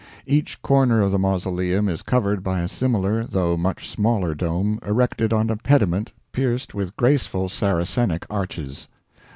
Each corner of the mausoleum is covered by a similar though much smaller dome erected on a pediment pierced with graceful Saracenic arches.